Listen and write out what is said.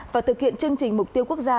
và thực hiện chương trình mục tiêu quốc gia